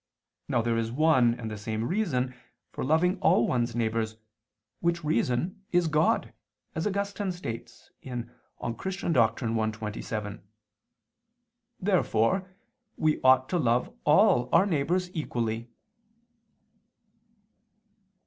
Now there is one and the same reason for loving all one's neighbors, which reason is God, as Augustine states (De Doctr. Christ. i, 27). Therefore we ought to love all our neighbors equally.